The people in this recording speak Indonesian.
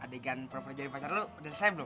adegan perjanjian pacar lu udah selesai belum